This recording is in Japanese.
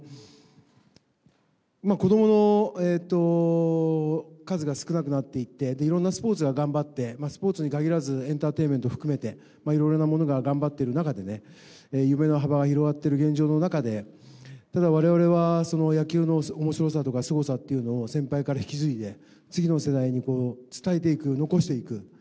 子どもの数が少なくなっていって、いろんなスポーツが頑張って、スポーツに限らずエンターテインメント含めて、いろいろなものが頑張っている中で、夢の幅が広がっている現状の中で、ただ、われわれはその野球のおもしろさとか、すごさっていうのを、先輩から引き継いで、次の世代に伝えていく、残していく。